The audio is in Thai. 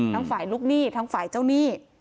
ฝ่ายลูกหนี้ทั้งฝ่ายเจ้าหนี้